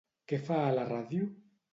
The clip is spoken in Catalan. Què fa a la ràdio?